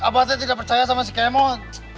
abang mah percaya sama si k mod